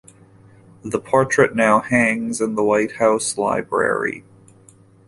The portrait now hangs in the White House Library.